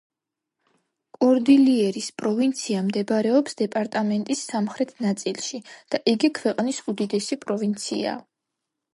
კორდილიერის პროვინცია მდებარეობს დეპარტამენტის სამხრეთ ნაწილში და იგი ქვეყნის უდიდესი პროვინციაა.